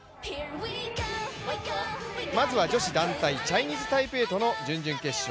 まずは女子団体、チャイニーズ・タイペイとの準々決勝。